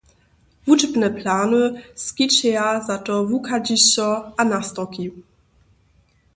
Wučbne plany skićeja za to wuchadźišća a nastorki.